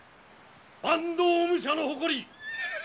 坂東武者の誇り